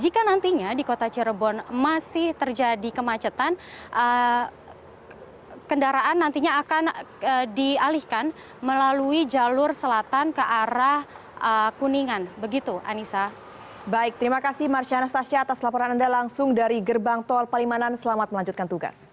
jika nantinya di kota cirebon masih terjadi kemacetan kendaraan nantinya akan dialihkan melalui jalur selatan ke arah kuningan begitu anissa